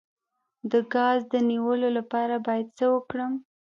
د ګاز د نیولو لپاره باید څه وکړم؟